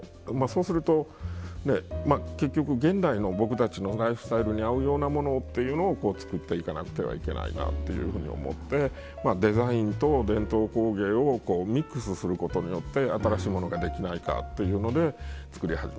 そうすると結局現代の僕たちのライフスタイルに合うようなものっていうのを作っていかなくてはいけないなというふうに思ってデザインと伝統工芸をミックスすることによって新しいものができないかというので作り始めました。